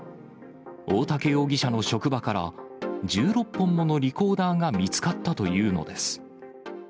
大竹容疑者の職場から、１６本ものリコーダーが見つかったというのです。